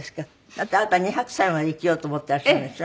だってあなた２００歳まで生きようと思っていらっしゃるんでしょ？